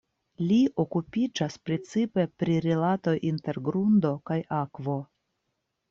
Li okupiĝas precipe pri rilatoj inter grundo kaj akvo.